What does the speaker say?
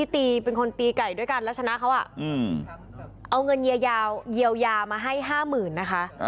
ตีเป็นคนตีไก่ด้วยกันแล้วชนะเขาเอาเงินเยียวยามาให้๕๐๐๐นะคะ